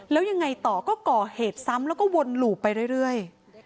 แล้วยังไงต่อก็ก่อเหตุซ้ำแล้วก็วนหลูบไปเรื่อย